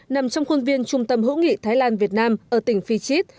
nằm trong khuôn viên trung tâm hữu nghị thái lan việt nam ở tỉnh phi chít